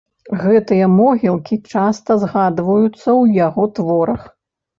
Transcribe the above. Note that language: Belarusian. Гэтыя могілкі часта згадваюцца ў яго творах.